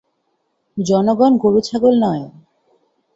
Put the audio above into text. জনগণ গরু ছাগল নয়।